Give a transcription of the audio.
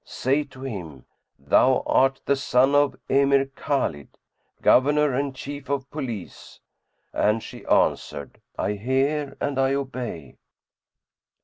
say to him, 'Thou art the son of the Emir Khбlid, Governor and Chief of Police.'" And she answered, "I hear and I obey."